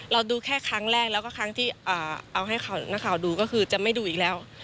ดูแค่ครั้งแรกแล้วก็ครั้งที่เอาให้นักข่าวดูก็คือจะไม่ดูอีกแล้ว